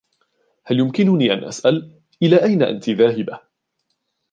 هل يمكنني أن أسأل, إلى أين أنتِ ذاهبة؟